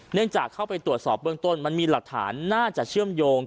เนื่องจากเข้าไปตรวจสอบเบื้องต้นมันมีหลักฐานน่าจะเชื่อมโยง